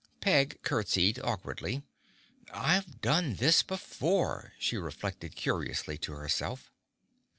Peg curtseyed awkwardly. "I've done this before," she reflected curiously to herself.